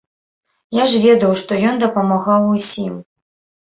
Я ж ведаў, што ён дапамагаў усім.